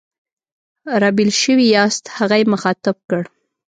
را بېل شوي یاست؟ هغه یې مخاطب کړ.